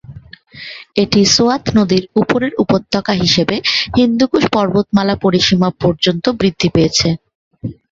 এটি সোয়াত নদীর উপরের উপত্যকা হিসেবে হিন্দুকুশ পর্বতমালা পরিসীমা পর্যন্ত বৃদ্ধি পেয়েছে।